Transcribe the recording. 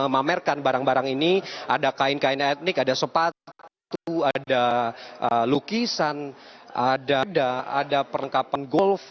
memamerkan barang barang ini ada kain kain etnik ada sepatu ada lukisan dada ada perlengkapan golf